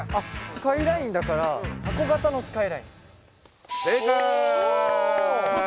スカイラインだから箱型のスカイライン箱型？